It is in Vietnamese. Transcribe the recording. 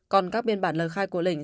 còn các biên bản lời khai của lĩnh